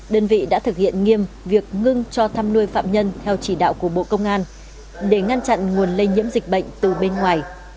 đơn vị đã thực hiện nghiêm việc ngưng cho thăm nuôi phạm nhân theo chỉ đạo của bộ công an để ngăn chặn nguồn lây nhiễm dịch bệnh từ bên ngoài